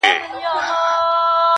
زه به د درد يوه بې درده فلسفه بيان کړم,